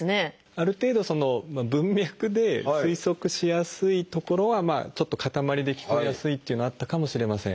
ある程度文脈で推測しやすい所はちょっと固まりで聞こえやすいっていうのはあったかもしれません。